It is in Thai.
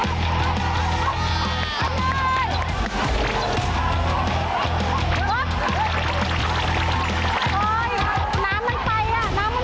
เอาอีกนิดหนึ่งมา